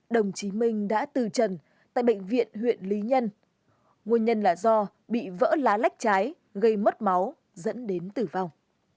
đồng chí minh đã từ trần tại bệnh viện huyện lý nhân nguyên nhân là do bị vỡ lá lách trái gây mất máu dẫn đến tử vong